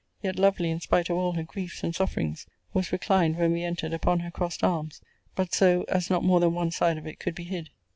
yet lovely in spite of all her griefs and sufferings!] was reclined, when we entered, upon her crossed arms; but so, as not more than one side of it could be hid.